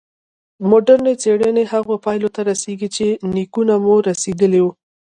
مډرني څېړنې هغو پایلو ته رسېږي چې نیکونه مو رسېدلي وو.